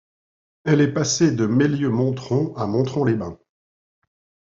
Elle est passée de Meylieu-Montrond à Montrond-les-Bains.